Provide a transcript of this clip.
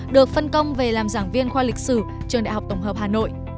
được phân công về làm giảng viên khoa lịch sử trường đại học tổng hợp hà nội